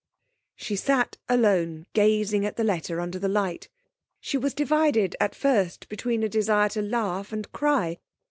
She sat alone gazing at the letter under the light. She was divided at first between a desire to laugh and cry.